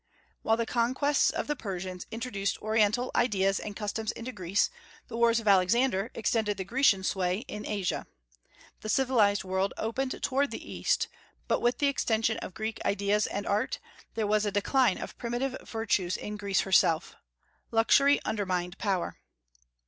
While the conquests of the Persians introduced Oriental ideas and customs into Greece, the wars of Alexander extended the Grecian sway in Asia. The civilized world opened toward the East; but with the extension of Greek ideas and art, there was a decline of primitive virtues in Greece herself. Luxury undermined power.